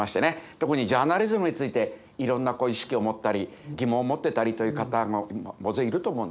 特にジャーナリズムについていろんな意識を持ったり疑問を持ってたりという方も大勢いると思うんですね。